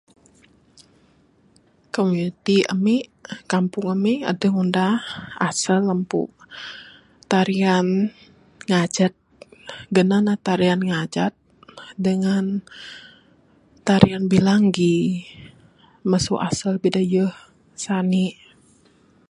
Komuniti ami kampung ami adeh ne ngundah asal ampu tarian ngajat ganan ne tarian ngajat dangan tarian bilanggi masu asal bidayuh sani.